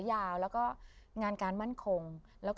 ยิ่งแก่ยิ่งสวย